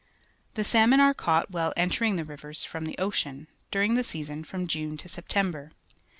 The salmon are caught while entering the rivers from the ocean during the season from June to September.